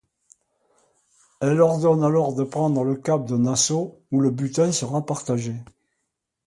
Elle ordonne alors de prendre le cap de Nassau, où le butin sera partagé.